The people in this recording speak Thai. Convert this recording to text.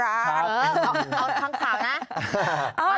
เอาทางข่าวนะ